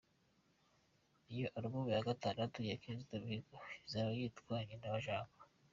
Iyo Album ya gatandatu ya Kizito Mihigo izaba yitwa « Nyina Wa Jambo ».